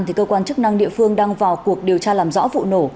thì cơ quan chức năng địa phương đang vào cuộc điều tra làm rõ vụ nổ